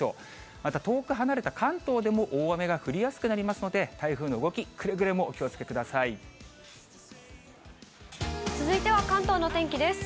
また、遠く離れた関東でも大雨が降りやすくなりますので、台風の動き、続いては関東の天気です。